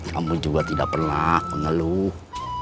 kamu juga tidak pernah mengeluh